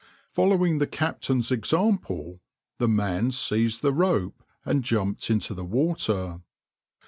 Following the captain's example, the man seized the rope and jumped into the water.